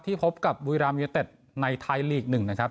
ที่พบกับบุยรามยีทเตศในไทยอีก๑นะครับ